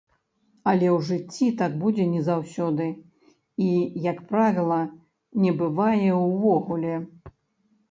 Але ў жыцці так будзе не заўсёды, і, як правіла, не бывае ўвогуле.